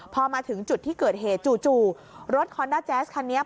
พอมาถึงจุดที่เกิดเหตุจู่รถคอนด้าแจ๊สคันนี้